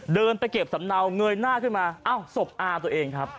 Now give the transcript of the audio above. เดินไปเก็บสำเนาเงยหน้าขึ้นมาอ้าวศพอาตัวเองครับ